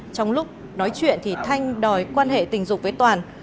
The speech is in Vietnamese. trong lúc nói chuyện thì thanh đòi quan hệ tình dục với toàn